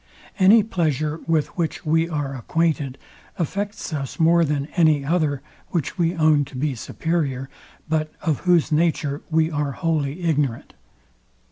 Any pleasure, with which we are acquainted, affects us more than any other, which we own to be superior, but of whose nature we are wholly ignorant.